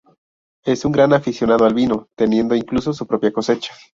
Es un gran aficionado al vino, teniendo incluso su propia cosecha.